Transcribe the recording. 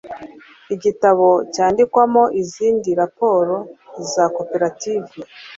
igitabo cyandikwamo izindi raporo za koperative